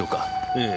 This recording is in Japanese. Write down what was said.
ええ。